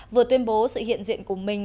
vừa tuyên bố sự hiện diện của mình